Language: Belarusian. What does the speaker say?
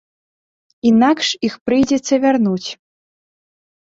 Інакш іх прыйдзецца вярнуць.